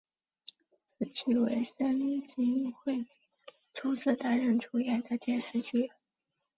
此剧为深津绘里初次担任主演的电视剧。